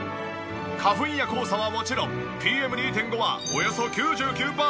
花粉や黄砂はもちろんＰＭ２．５はおよそ９９パーセントキャッチ。